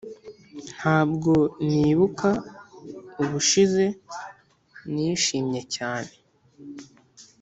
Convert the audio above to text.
ntabwo nibuka ubushize nishimye cyane.